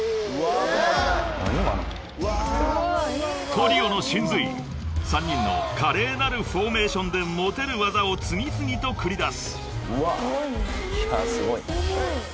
［トリオの神髄３人の華麗なるフォーメーションで持てる技を次々と繰り出す］